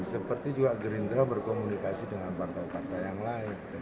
seperti juga gerindra berkomunikasi dengan partai partai yang lain